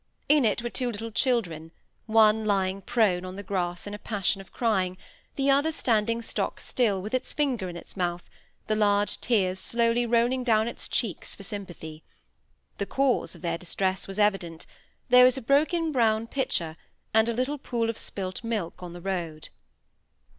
In it were two little children, one lying prone on the grass in a passion of crying, the other standing stock still, with its finger in its mouth, the large tears slowly rolling down its cheeks for sympathy. The cause of their distress was evident; there was a broken brown pitcher, and a little pool of spilt milk on the road.